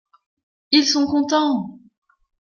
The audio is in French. Ils sont contents!